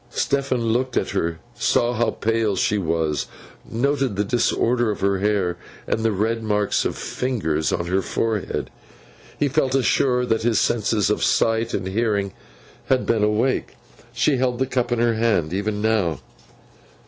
Stephen looked at her, saw how pale she was, noted the disorder of her hair, and the red marks of fingers on her forehead, and felt assured that his senses of sight and hearing had been awake. She held the cup in her hand even now.